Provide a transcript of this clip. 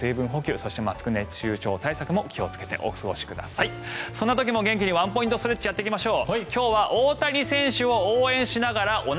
そんな時も元気にワンポイントストレッチやっていきましょう。